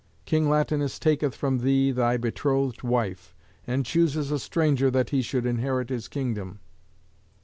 King Latinus taketh from thee thy betrothed wife, and chooses a stranger that he should inherit his kingdom.